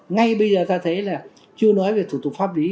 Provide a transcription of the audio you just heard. ngay bây giờ ta thấy là chưa nói về thủ tục pháp lý